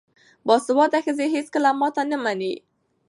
باسواده ښځې هیڅکله ماتې نه مني.